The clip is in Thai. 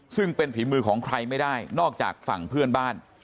ซึ่งเป็นฝีมือของใครไม่ได้นอกจากฝั่งเพื่อนบ้าน